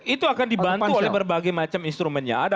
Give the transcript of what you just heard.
itu akan dibantu oleh berbagai macam instrumen